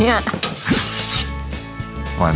ด้วยไหม